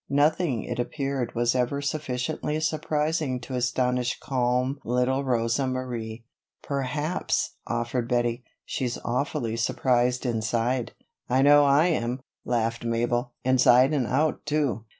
Nothing it appeared was ever sufficiently surprising to astonish calm little Rosa Marie. "Perhaps," offered Bettie, "she's awfully surprised inside." "I know I am," laughed Mabel. "Inside and out, too."